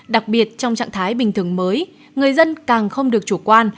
đặc biệt trong trạng thái bình thường mới người dân càng không được chủ quan